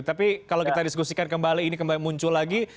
tapi kalau kita diskusikan kembali ini kembali muncul lagi